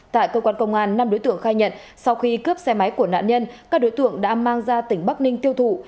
tại cơ quan công an năm đối tượng khai nhận sau khi cướp xe máy của nạn nhân các đối tượng đã mang ra tỉnh bắc ninh tiêu thụ